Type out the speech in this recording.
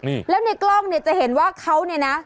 นี่แล้วในกล้องเนี่ยจะเห็นว่าเขาเนี่ยนะ